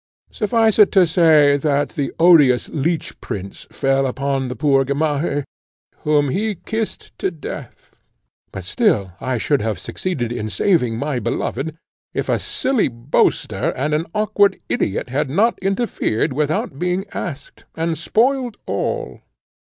Suffice it to say, that the odious Leech Prince fell upon the poor Gamaheh, whom he kissed to death; but still I should have succeeded in saving my beloved, if a silly boaster and an awkward ideot had not interfered without being asked, and spoilt all.